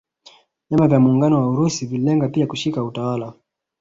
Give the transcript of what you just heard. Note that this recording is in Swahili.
Vyama vya muungano wa Urusi vililenga pia kushika utawala